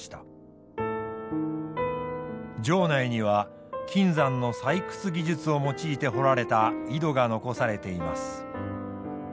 城内には金山の採掘技術を用いて掘られた井戸が残されています。